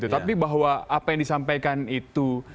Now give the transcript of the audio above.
tapi bahwa apa yang disampaikan itu